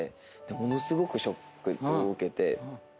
ものすごくショックを受けて。